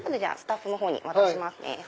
スタッフのほうに渡しますね。